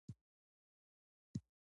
دا د نظریاتو او پیغامونو لیږدولو ته وایي.